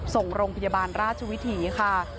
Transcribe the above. ส่งโรงพยาบาลราชวิถีค่ะ